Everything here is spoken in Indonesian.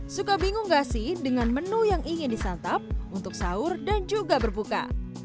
suka bingung gak sih dengan menu yang ingin disantap untuk sahur dan juga berbuka